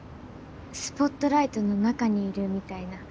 スポットライトの中にいるみたいな。